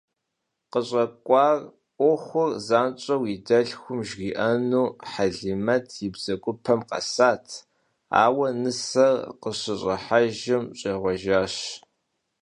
КъыщӀэкӀуа Ӏуэхур занщӀэу и дэлъхум жриӀэну Хьэлимэт и бзэгупэм къэсат, ауэ, нысэр къыщыщӀыхьэжым, щӀегъуэжащ.